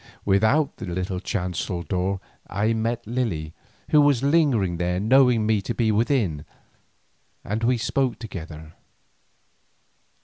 Without the little chancel door I met Lily, who was lingering there knowing me to be within, and we spoke together.